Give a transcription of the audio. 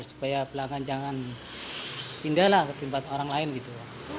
supaya pelanggan jangan pindah lah ke tempat orang lain gitu